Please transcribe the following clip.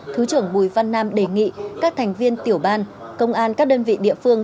thứ trưởng bùi văn nam đề nghị các thành viên tiểu ban công an các đơn vị địa phương